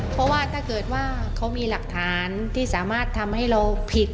เพราะว่าถ้าเกิดว่าเขามีหลักฐานที่สามารถทำให้เราผิด